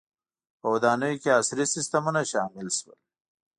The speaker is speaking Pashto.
• په ودانیو کې عصري سیستمونه شامل شول.